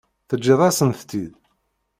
Teǧǧiḍ-asent-tt-id?